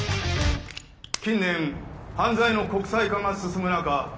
近年犯罪の国際化が進む中